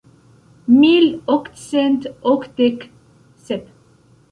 Mil okcent okdek sep?